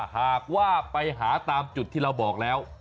หากว่าไปหาตามจุดที่เราบอกแล้ว